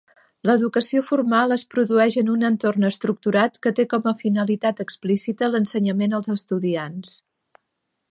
L'educació formal es produeix en un entorn estructurat que té com a finalitat explícita l'ensenyament als estudiants.